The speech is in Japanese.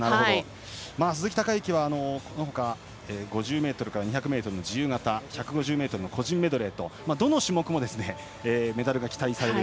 鈴木孝幸は５０ｍから２００ｍの自由形１５０ｍの個人メドレーとメダルが期待される